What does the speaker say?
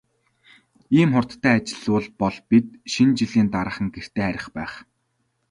Ийм хурдтай ажиллавал бол бид Шинэ жилийн дараахан гэртээ харих байх.